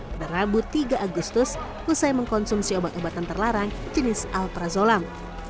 pada rabu tiga agustus usai mengkonsumsi obat obatan terlarang jenis alprazolam